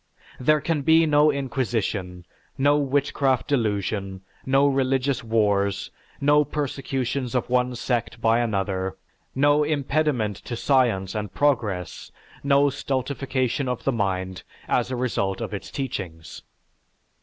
There can be no inquisition, no witchcraft delusion, no religious wars, no persecutions of one sect by another, no impediment to science and progress, no stultification of the mind, as a result of its teachings.